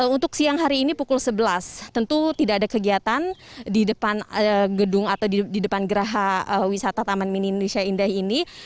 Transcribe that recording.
untuk siang hari ini pukul sebelas tentu tidak ada kegiatan di depan gedung atau di depan geraha wisata taman mini indonesia indah ini